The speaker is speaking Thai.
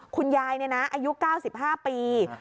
คุณยายนี่นะอายุ๙๕ปี